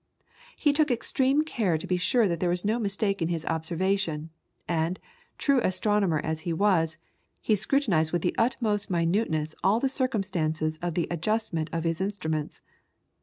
He took extreme care to be sure that there was no mistake in his observation, and, true astronomer as he was, he scrutinized with the utmost minuteness all the circumstances of the adjustment of his instruments.